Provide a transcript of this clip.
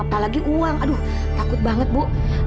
apalagi uang aduh takut banget bu